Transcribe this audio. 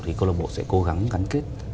thì câu lạc bộ sẽ cố gắng gắn kết